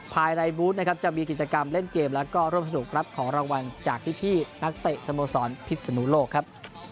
ภายในบูธนะครับจะมีกิจกรรมเล่นเกมแล้วก็ร่วมสนุกรับของรางวัลจากพี่นักเตะสโมสรพิศนุโลกครับ